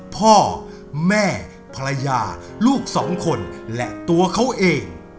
พ่อแม่ภรรยาลูกสองคนและตัวเขาเอง